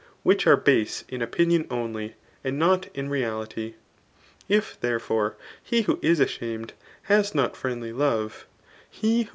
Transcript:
which are base in opinion only, and not in reality.] If, tfaere* fore^ he who is ashamed has not friendly lova^ he who CHAP.